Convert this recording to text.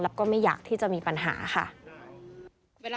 แล้วก็ไม่อยากที่จะมีปัญหาค่ะ